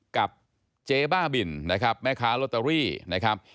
กับเจ๊บ้าบินนะครับแม่ค้าลอตเตอรี่นะครับ